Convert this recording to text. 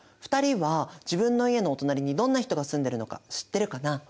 ２人は自分の家のお隣にどんな人が住んでるのか知ってるかな？